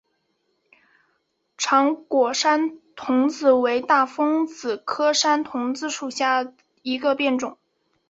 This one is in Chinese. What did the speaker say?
长果山桐子为大风子科山桐子属下的一个变种。